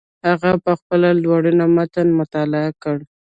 هغه په خپله لورینه متن مطالعه کړ.